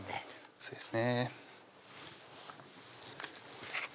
そうですね